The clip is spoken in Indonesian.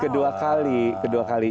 kedua kali kedua kali